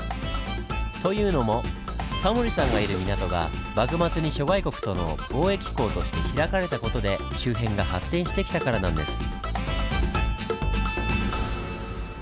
というのもタモリさんがいる港が幕末に諸外国との貿易港として開かれた事で周辺が発展してきたからなんです。